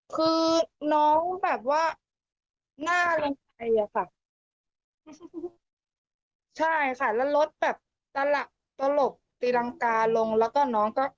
คือน้องแบบว่าน่ารังใจอะค่ะใช่ค่ะแล้วรถแบบตลับตลบตีรังกาลงแล้วก็น้องก็